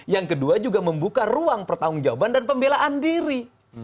yang kedua juga membuka ruang pertanggung jawaban dan pembelaan diri